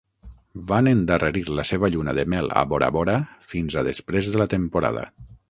Van endarrerir la seva lluna de mel a Bora Bora fins a després de la temporada.